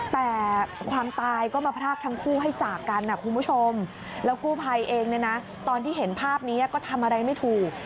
แต่ความตายก็มาพรากทั้งคู่ให้จากกันนะคุณผู้ชมแล้วกู้ภัยเองเนี่ยนะตอนที่เห็นภาพนี้ก็ทำอะไรไม่ถูก